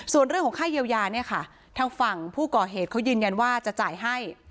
ส่วนเรื่องของค่าเยียวยาเนี่ยค่ะทางฝั่งผู้ก่อเหตุเขายืนยันว่าจะจ่ายให้